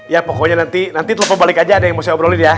ya pokoknya nanti telepon balik aja ada yang mau saya obrolin ya